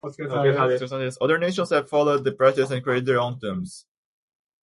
Other nations have followed the practice and created their own tombs.